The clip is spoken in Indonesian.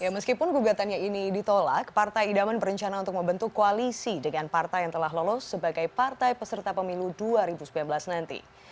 meskipun gugatannya ini ditolak partai idaman berencana untuk membentuk koalisi dengan partai yang telah lolos sebagai partai peserta pemilu dua ribu sembilan belas nanti